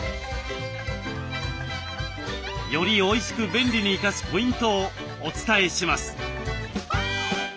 よりおいしく便利に生かすポイントをお伝えします。